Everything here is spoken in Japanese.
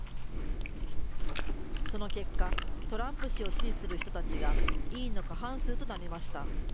その結果、トランプ氏を支持する人たちが委員の過半数となりました。